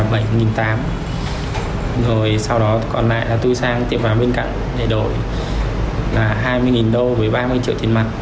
rồi sau đó còn lại là tôi sang tiệm vàng bên cạnh để đổi là hai mươi đô với ba mươi đô